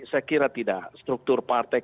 saya kira tidak struktur partai